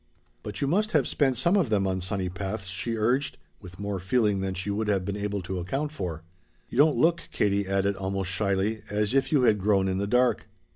"But you must have spent some of them on sunny paths," she urged, with more feeling than she would have been able to account for. "You don't look," Katie added almost shyly, "as if you had grown in the dark."